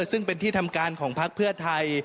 ซึ่งเป็นที่ทำการของพักเพื่อไทย